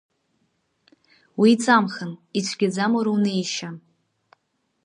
Уеиҵамхан, ицәгьаӡам уара унеишьа!